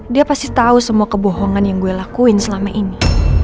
dia pasti tahu semua kebohongan yang gue lakuin selama ini